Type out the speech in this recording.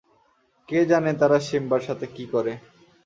কে জানে তারা সিম্বার সাথে কী করে!